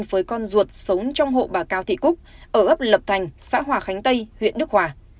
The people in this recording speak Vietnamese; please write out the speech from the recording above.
với con ruột sống trong hộ bà cao thị cúc ở ấp lập thành xã hòa khánh tây huyện đức hòa